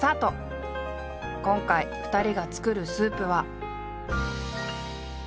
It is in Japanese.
今回２人が作るスープは。